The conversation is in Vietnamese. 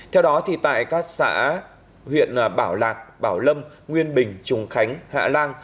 theo đó tại các xã huyện bảo lạc bảo lâm nguyên bình trùng khánh hạ lan